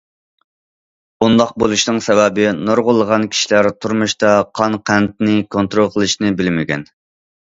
بۇنداق بولۇشنىڭ سەۋەبى نۇرغۇنلىغان كىشىلەر تۇرمۇشتا قان قەنتىنى كونترول قىلىشنى بىلمىگەن.